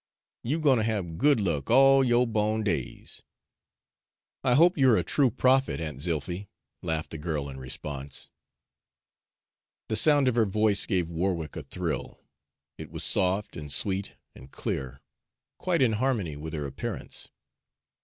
You gwine ter hab good luck all yo' bawn days." "I hope you're a true prophet, Aunt Zilphy," laughed the girl in response. The sound of her voice gave Warwick a thrill. It was soft and sweet and clear quite in harmony with her appearance.